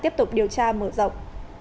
tiếp tục điều tra mở rộng